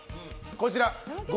こちら５